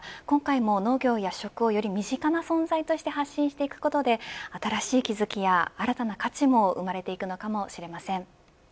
今回も、農業や食をより身近な存在として発信していくことで新しい気付きや新たな価値も生まれていくのかもしれません。